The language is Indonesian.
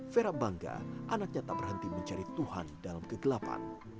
vera bangga anaknya tak berhenti mencari tuhan dalam kegelapan